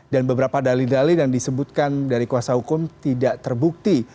dan beberapa dalih dalih yang disebutkan dari kuasa hukum tidak terbukti